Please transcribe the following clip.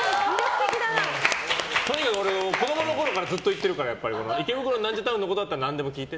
とにかく俺は子供の時からずっと行ってるから池袋ナンジャタウンのことだったら何でも聞いて。